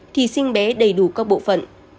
thì sinh bé đầy đủ các bộ phận